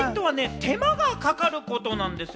手間がかかることなんですよ。